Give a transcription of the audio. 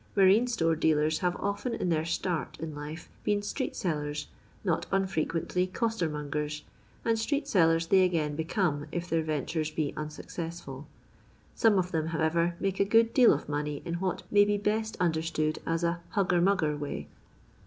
Marine store dealers have often in their start in life been street sellers, not unfrequently coster mongers, and street sellers they again become if their ventures be unsucccssfiiL Some of them, however, make a good deal of money in what may be best understood as a " hugger mngger way."